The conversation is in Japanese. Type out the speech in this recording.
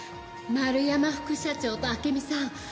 丸山副社長と暁美さん